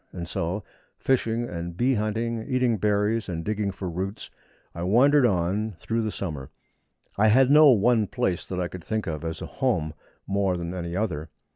And so, fishing and bee hunting, eating berries and digging for roots, I wandered on all through the summer. I had no one place that I could think of as a home more than any other.